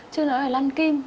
chứ nó phải lăn kim